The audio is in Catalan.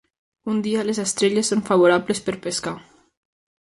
Un dia, les estrelles són favorables per pescar.